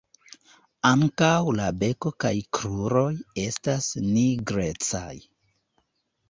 Ankaŭ la beko kaj kruroj estas nigrecaj.